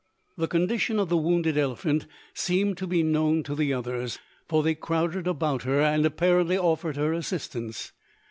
The condition of the wounded elephant seemed to be known to the others, for they crowded about her and apparently offered her assistance.